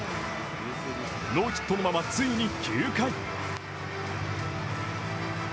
ノーヒットのままついに９回。